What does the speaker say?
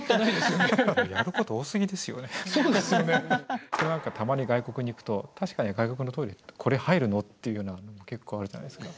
僕も何かたまに外国に行くと確かに外国のトイレって「これ入るの？」っていうようなの結構あるじゃないですか。